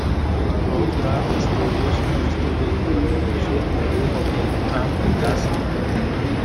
Rough Draft Studios, un estudio de Corea del Sur, produjo el "Camp Lazlo.